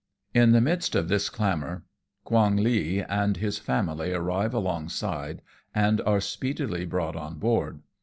In the midst of this clamour, Quong Ly and his family arrive alongside, and are speedily brought on board.